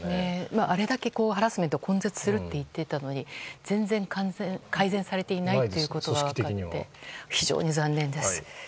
あれだけハラスメントを根絶するといっていたのに全然改善されていないということが分かって非常に残念です。